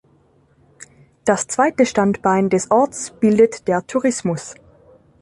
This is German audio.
Das zweite Standbein des Orts bildet der Tourismus.